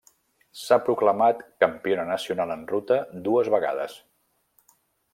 S'ha proclamat campiona nacional en ruta dues vegades.